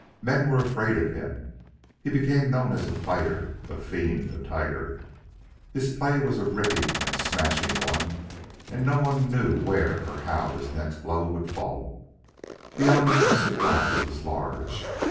Men were afraid of him. He became known as a fighter, a fiend, a tiger. His play was a ripping and smashing one, and no one knew where or how his next blow would fall. The element of surprise was large.